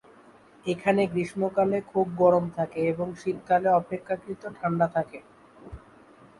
এখানে গ্রীষ্মকালে খুব গরম থাকে, এবং শীতকালে অপেক্ষাকৃত ঠান্ডা থাকে।